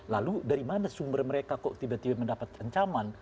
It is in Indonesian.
lalu dari mana sumber mereka kok tiba tiba mendapat ancaman